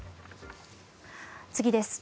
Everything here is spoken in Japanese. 次です。